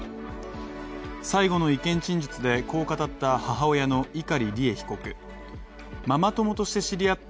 最後の意見陳述でこう語った母親の碇利恵被告。